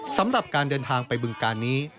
สำหรับการเดินทางไปบึงการนี้